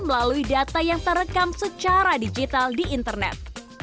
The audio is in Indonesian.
melalui data yang terekam secara digital di internet